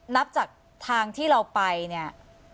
นับจากทางที่เราไปเนี่ย